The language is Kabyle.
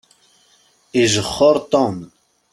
Ijexxeṛ Tom.